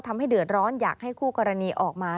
ทำให้เดือดร้อนอยากให้คู่กรณีออกมา